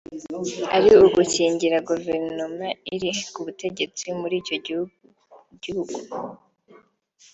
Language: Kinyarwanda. ari ugukingira guverinoma iri ku butegetsi mur’icyo gihugu gihugu